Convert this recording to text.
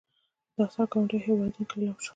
دا اثار ګاونډیو هېوادونو کې لیلام شول.